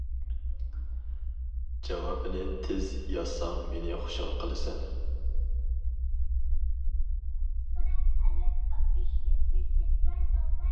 جاۋابىنى تېز يازساڭ مېنى خۇشال قىلىسەن.